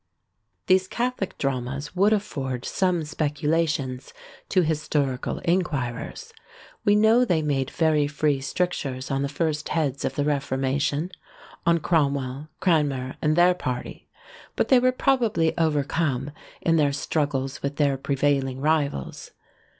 These Catholic dramas would afford some speculations to historical inquirers: we know they made very free strictures on the first heads of the Reformation, on Cromwell, Cranmer, and their party; but they were probably overcome in their struggles with their prevailing rivals.